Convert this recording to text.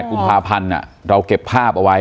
กุมภาพันธ์เราเก็บภาพเอาไว้